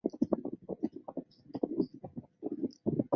布拉克沃夫省为波兰立陶宛联邦的行政区划和地方政府。